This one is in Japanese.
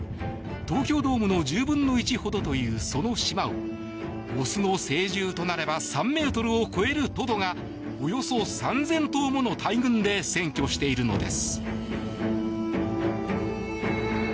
東京ドームの１０分の１ほどという、その島をオスの成獣となれば３ｍを超えるトドがおよそ３０００頭もの大群で占拠しているのです。